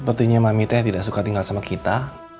sepertinya mami teh tidak suka tinggal sama kita